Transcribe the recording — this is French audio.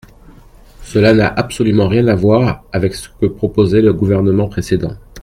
Cela n’a absolument rien à voir avec ce que proposait le gouvernement précédent.